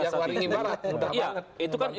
yang waringin barat udah banget